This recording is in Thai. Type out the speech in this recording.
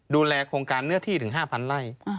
ดูแลโครงการเนื้อที่ถึง๕๐๐ไร่